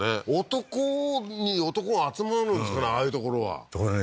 男に男が集まるんですかねああいう所はところでね